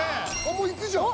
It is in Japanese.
もう行くじゃん。